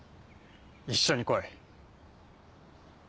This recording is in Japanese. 一緒に来い。